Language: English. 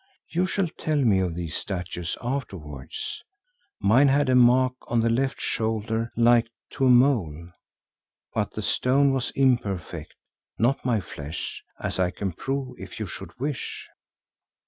You shall tell me of these statues afterwards; mine had a mark on the left shoulder like to a mole, but the stone was imperfect, not my flesh, as I can prove if you should wish."